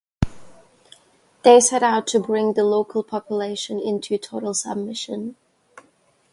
They set out to bring the local population into total submission.